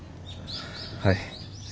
はい。